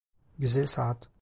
Güzel saat.